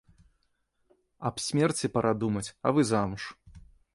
Аб смерці пара думаць, а вы замуж.